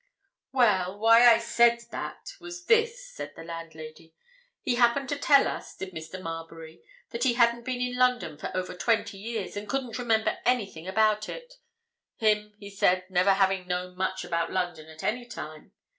"Well—why I said that was this," said the landlady. "He happened to tell us, did Mr. Marbury, that he hadn't been in London for over twenty years, and couldn't remember anything about it, him, he said, never having known much about London at any time.